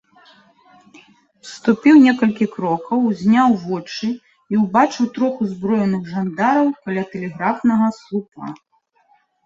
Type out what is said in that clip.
Ступіў некалькі крокаў, узняў вочы і ўбачыў трох узброеных жандараў каля тэлеграфнага слупа.